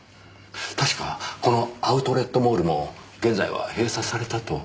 確かこのアウトレットモールも現在は閉鎖されたと。